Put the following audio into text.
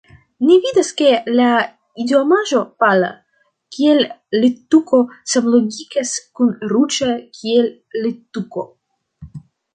Ni vidas, ke la idiomaĵo pala kiel littuko samlogikas kun ruĝa kiel littuko.